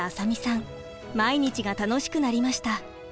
毎日が楽しくなりました。